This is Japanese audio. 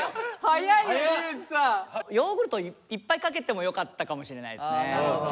ヨーグルトいっぱいかけてもよかったかもしれないですね。